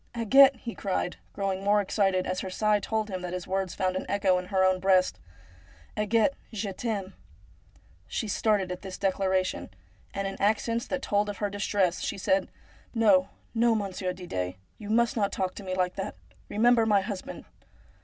' Agathe,' he cried, growing more excited as her sigh told him that his words found an echo in her own breast, ' Agathe, je t'aime !'' She started at this declaration, and in accents that told of her distress she said :' No, no, Monsieur Didet ; you must not talk to me like that. Eemember my husband